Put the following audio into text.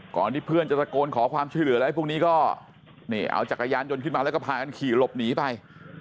ก่อนที่เพื่อนจะตะโกนขอความช่วยเหลืออะไรพวกนี้ก็นี่เอาจักรยานยนต์ขึ้นมาแล้วก็พากันขี่หลบหนีไป